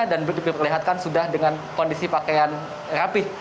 dan diperlihatkan sudah dengan kondisi pakaian rapih